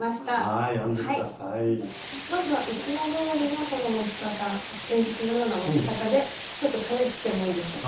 まずはいつもどおりのこの持ち方鉛筆のような持ち方でちょっと試してもいいですか？